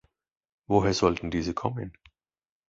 Woher sollten diese kommen?